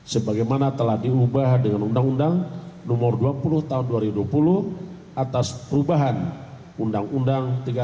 sebagaimana telah diubah dengan undang undang nomor dua puluh tahun dua ribu dua puluh atas perubahan undang undang tiga puluh lima